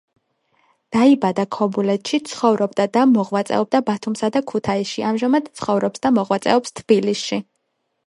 დაიბადა ქობულეთში, ცხოვრობდა და მოღვაწეობდა ბათუმსა და ქუთაისში, ამჟამად ცხოვრობს და მოღვაწეობს თბილისში.